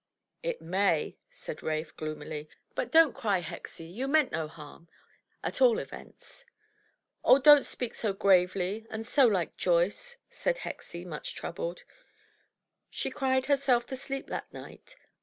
"It may," said Rafe, gloomily. "But don't cry, Hexie. You meant no harm, at all events." "Oh, don't speak so gravely and so like Joyce," said Hexie, much troubled. She cried herself to sleep that night.